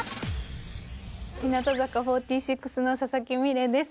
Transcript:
日向坂４６の佐々木美玲です。